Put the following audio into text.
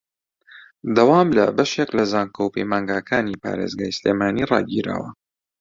دەوام لە بەشێک لە زانکۆ و پەیمانگاکانی پارێزگای سلێمانی ڕاگیراوە